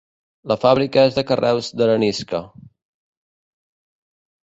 La fàbrica és de carreus d'arenisca.